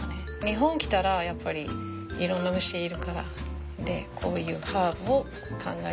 日本来たらやっぱりいろんな虫いるからこういうハーブを考えて一緒に混ぜる。